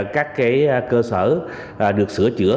các cơ sở được sửa chữa